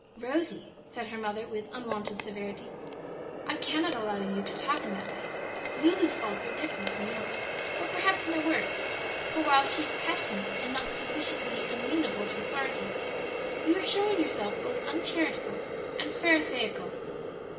"Rosie," said her mother, with unwonted severity, "I cannot allow you to talk in that way. Lulu's faults are different from yours, but perhaps no worse; for while she is passionate and not sufficiently amenable to authority, you are showing yourself both uncharitable and Pharisaical."